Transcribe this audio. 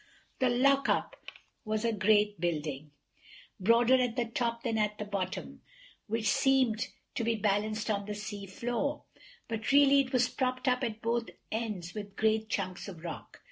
The lockup was a great building, broader at the top than at the bottom, which seemed to be balanced on the sea floor, but really it was propped up at both ends with great chunks of rock.